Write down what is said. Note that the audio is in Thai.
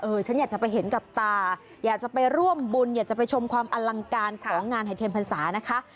ฉันอยากจะไปเห็นกับตาอยากจะไปร่วมบุญอยากจะไปชมความอลังการของงานหายเทียมพรรษานะคะ